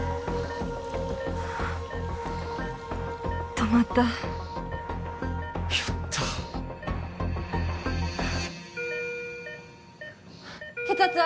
止まったやった血圧は？